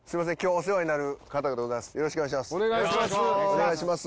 お願いします。